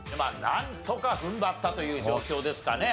なんとか踏ん張ったという状況ですかね。